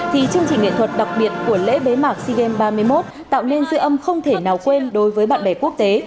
thì chương trình nghệ thuật đặc biệt của lễ bế mạc sea games ba mươi một tạo nên dư âm không thể nào quên đối với bạn bè quốc tế